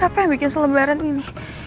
apa yang bikin selebaran ini